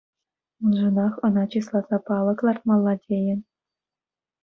Уншӑнах ӑна чысласа палӑк лартмалла тейӗн.